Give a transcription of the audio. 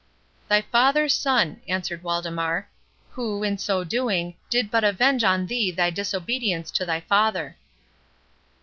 "Thy father's son," answered Waldemar, "who, in so doing, did but avenge on thee thy disobedience to thy father."